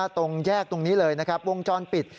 ตรงแยกตรงนี้เลยนะครับวงจรปิด